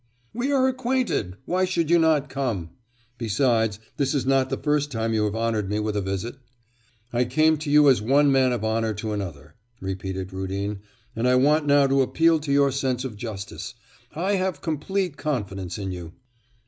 'We are acquainted; why should you not come? Besides, this is not the first time you have honoured me with a visit.' 'I came to you as one man of honour to another,' repeated Rudin, 'and I want now to appeal to your sense of justice.... I have complete confidence in you.